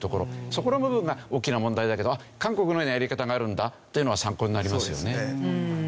そこの部分が大きな問題だけど韓国のようなやり方があるんだというのは参考になりますよね。